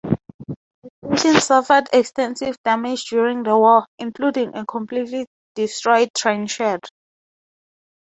The station suffered extensive damage during the war, including a completely destroyed trainshed.